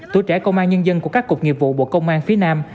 tuổi trẻ công an nhân dân của các cục nghiệp vụ bộ công an phía nam